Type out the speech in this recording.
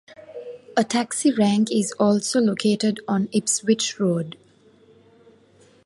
A taxi rank is also located on Ipswich Road.